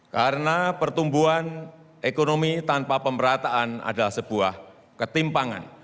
karena pertumbuhan ekonomi tanpa pemerataan adalah sebuah ketimpangan